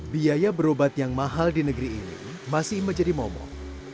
biaya berobat yang mahal di negeri ini masih menjadi momok